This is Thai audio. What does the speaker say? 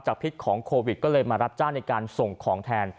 พิษของโควิดก็เลยมารับจ้างในการส่งของแทน